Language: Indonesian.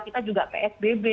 kita juga psbb